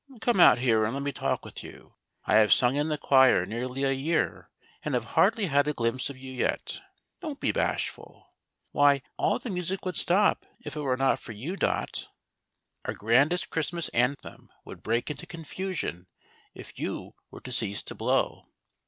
" Come out here, and let me talk with you. I have sung in the choir nearly a year, and have hardly had a glimpse of you yet. Don't be bashful ! Why, all the music would stop if it were not for you. Dot. Our 9 10 HOW DOT HEARD "THE MESSIAH.' grandest Christmas anthem would break into confusion if you were to cease to blow.